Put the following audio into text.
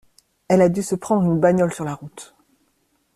Elle a du se prendre une bagnole sur la route.